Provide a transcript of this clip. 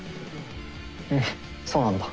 ふんそうなんだ。